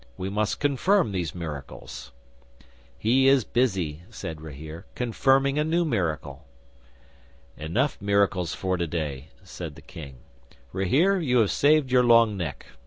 "He must confirm these miracles." '"He is busy," said Rahere, "confirming a new miracle." '"Enough miracles for today," said the King. "Rahere, you have saved your long neck.